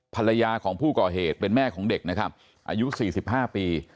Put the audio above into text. ภรรยาของผู้ก่อเหตุเป็นแม่ของเด็กนะครับอายุ๔๕ปี